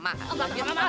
mak saya enggak banjir